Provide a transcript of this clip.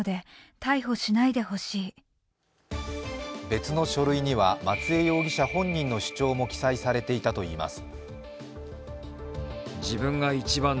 別の書類には、松江容疑者本人の主張も記載されていたといいます。